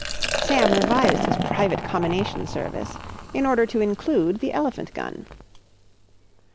Sam revised his private commination service in order to include the elephant gun.